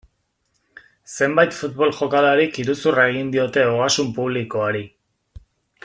Zenbait futbol jokalarik iruzurra egin diote ogasun publikoari.